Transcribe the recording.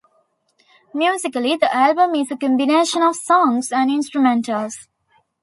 Musically, the album is a combination of songs and instrumentals.